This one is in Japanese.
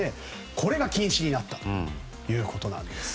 これが禁止になったということです。